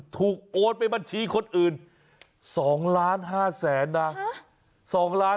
ถูกโอนไปบัญชีคนอื่น๒๕๐๐๐๐๐นะ